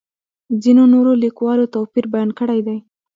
ځینو نورو لیکوالو توپیر بیان کړی دی.